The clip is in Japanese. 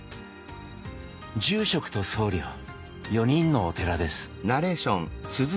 住職と僧侶４人のお寺です。